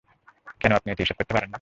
কেন আপনি এটি হিসাব করতে পারেন না?